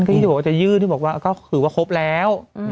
ก็คิดว่าจะยืดคือว่าครบแล้ว